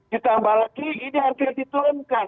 ditambah lagi ini hampir diturunkan